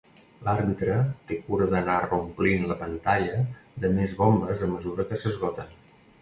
L'àrbitre té cura d'anar reomplint la pantalla de més bombes a mesura que s'esgoten.